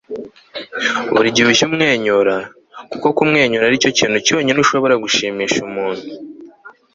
buri gihe ujye umwenyura, kuko kumwenyura aricyo kintu cyonyine ushobora gushimisha umuntu